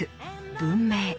文明